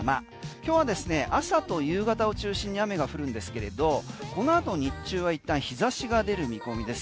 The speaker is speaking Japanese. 今日は朝晩をを中心に雨が降るんですけれどこのあと日中は、いったん日差しが出る見込みです。